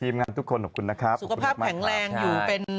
ทีมงานทุกคนขอบคุณนะครับขอบคุณทุกคนมากสุขภาพแข็งแหลง